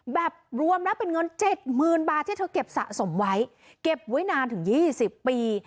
แบบรวมแล้วเป็นเงินเจ็ดหมื่นบาทที่เธอเก็บสะสมไว้เก็บไว้นานถึง๒๐ปี